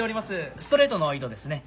ストレートの糸ですね。